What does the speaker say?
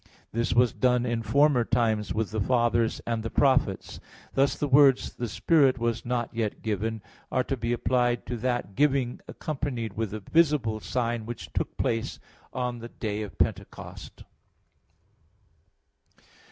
This was done in former times with the Fathers and the Prophets." Thus the words, "the Spirit was not yet given," are to be applied to that giving accompanied with a visible sign which took place on the day of Pentecost.